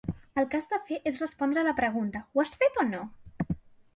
El que has de fer és respondre la pregunta, ho has fet o no?